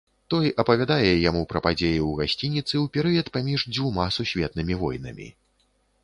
Той апавядае яму пра падзеі ў гасцініцы ў перыяд паміж дзвюма сусветнымі войнамі.